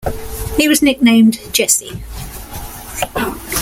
He was nicknamed "Jesse".